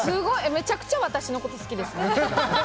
めちゃくちゃ私のこと好きですね。